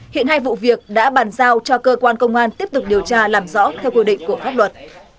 hiện hai vụ việc đã bàn giao cho cơ quan công an tiếp tục điều tra làm rõ theo quy định của pháp luật